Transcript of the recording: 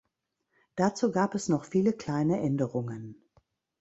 Dazu gab es noch viele kleine Änderungen.